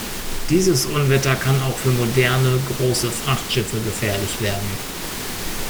Dieses Unwetter kann auch für moderne, große Frachtschiffe gefährlich werden.